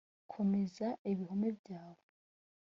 komeza ibihome byawe